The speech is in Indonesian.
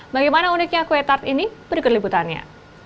bagaimana uniknya kue tart ini berikut liputannya